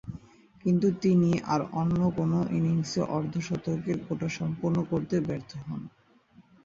কিন্তু, তিনি আর অন্য কোন ইনিংসে অর্ধ-শতকের কোটা স্পর্শ করতে ব্যর্থ হন।